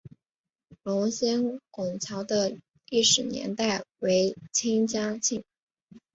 龙仙拱桥的历史年代为清嘉庆。